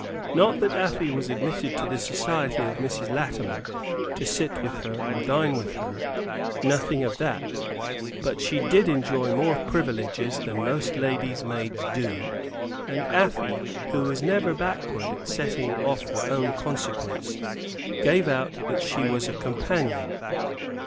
Not that Afy was admitted to the society of Mrs. Latimer, to sit with her or dine with her, nothing of that; but she did enjoy more privileges than most ladies' maids do, and Afy, who was never backward at setting off her own consequence, gave out that she was "companion."